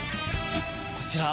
こちら。